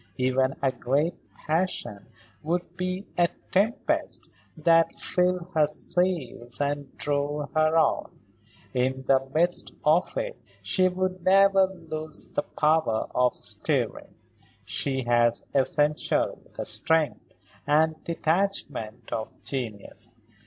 Even a great passion would be a tempest that filled her sails and drove her on; in the midst of it she would never lose the power of steering. She has essentially the strength and detachment of genius.